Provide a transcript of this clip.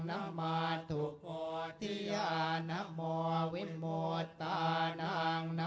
เราก็ได้อภาพริกาศการ